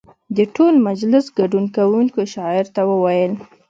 د ټول مجلس ګډون کوونکو شاعر ته وویل.